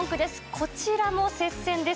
こちらも接戦です。